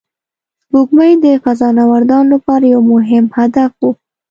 سپوږمۍ د فضانوردانو لپاره یو مهم هدف و